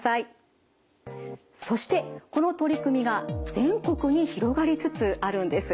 そしてこの取り組みが全国に広がりつつあるんです。